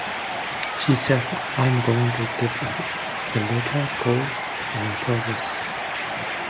She said, 'I am going to give up the little gold I possess.